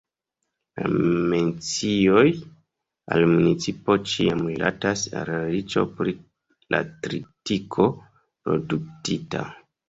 La mencioj al la municipo ĉiam rilatas al la riĉo pri la tritiko produktita.